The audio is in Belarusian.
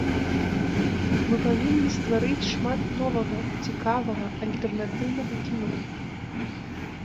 Мы павінны стварыць шмат новага, цікавага, альтэрнатыўнага кіно.